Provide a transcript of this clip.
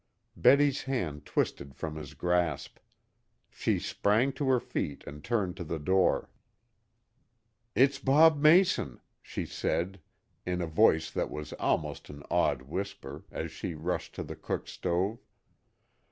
Betty's hand twisted from his grasp. She sprang to her feet and turned to the door. "It's Bob Mason," she said, in a voice that was almost an awed whisper, as she rushed to the cook stove.